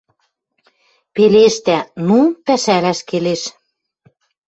Пелештӓ: «Ну, пӓшӓлӓш келеш».